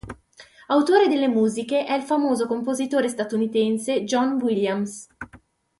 Autore delle musiche è il famoso compositore statunitense John Williams.